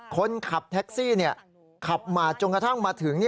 คนขับแท็กซี่ขับมาจนกระทั่งมาถึง